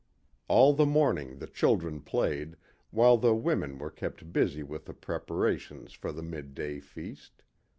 All the morning the children played, while the women were kept busy with the preparations for the midday feast.